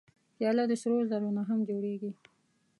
پیاله د سرو زرو نه هم جوړېږي.